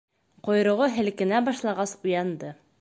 Ҡойроғо һелкенә башлағас уянды.